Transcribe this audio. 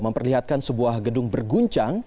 memperlihatkan sebuah gedung berguncang